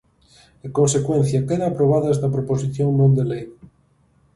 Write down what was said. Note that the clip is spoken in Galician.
En consecuencia, queda aprobada esta proposición non de lei.